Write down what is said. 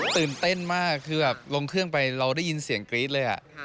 ตื่นเต้นมากคือแบบลงเครื่องไปเราได้ยินเสียงกรี๊ดเลย